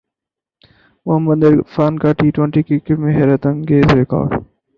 محمد عرفان کا T twenty cricket میں حیرت انگیز ریکارڈ